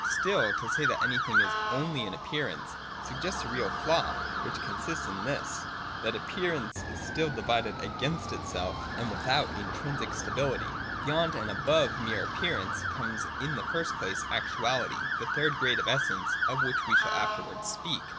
Still, to say that anything is ojxly an appearance suggests a real flaw, which consists in this, that Appearance is still divided against itself and without intrinsic stability. Beyond and above mere appearance comes in the first place ActuaUty, the third grade of Essence, of which we shall afterwards speak.